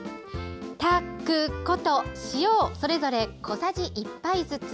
タクコと塩をそれぞれ小さじ１杯ずつ。